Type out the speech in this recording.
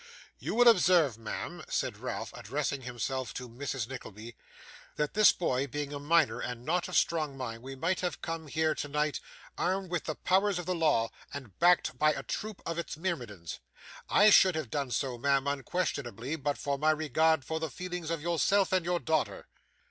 'You will observe, ma'am,' said Ralph, addressing himself to Mrs Nickleby, 'that this boy being a minor and not of strong mind, we might have come here tonight, armed with the powers of the law, and backed by a troop of its myrmidons. I should have done so, ma'am, unquestionably, but for my regard for the feelings of yourself, and your daughter.